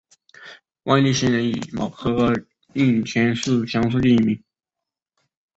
万历七年己卯科应天乡试第一名。